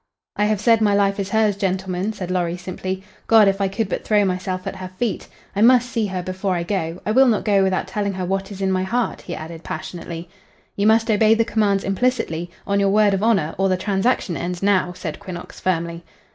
"I have said my life is hers, gentlemen," said Lorry, simply. "God, if I could but throw myself at her feet! I must see her before I go. I will not go without telling her what is in my heart!" he added, passionately. "You must obey the commands implicitly, on your word of honor, or the transaction ends now," said Quinnox, firmly.